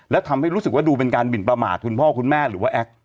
แล้วทำให้รู้สึกว่าดูเป็นการหมินประมาทคุณพ่อคุณแม่หรือว่าแอ๊ก